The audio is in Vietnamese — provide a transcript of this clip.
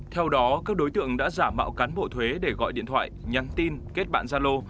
theo đó các đối tượng đã giả mạo cán bộ thuế để gọi điện thoại nhắn tin kết bạn gia lô